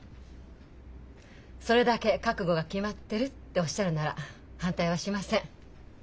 それだけ覚悟が決まってるっておっしゃるなら反対はしません。